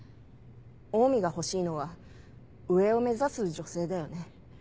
オウミが欲しいのは上を目指す女性だよね。